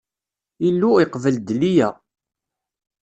Illu iqbel-d Liya.